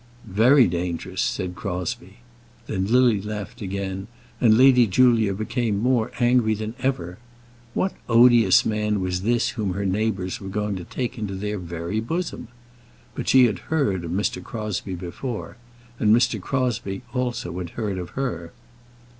"Very dangerous," said Crosbie. Then Lily laughed again, and Lady Julia became more angry than ever. What odious man was this whom her neighbours were going to take into their very bosom! But she had heard of Mr. Crosbie before, and Mr. Crosbie also had heard of her.